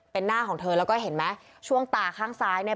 เป็นหน้าของเธอแล้วก็เห็นไหมช่วงตาข้างซ้ายเนี่ย